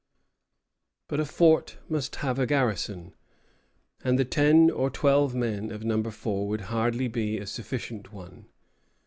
But a fort must have a garrison, and the ten or twelve men of Number Four would hardly be a sufficient one.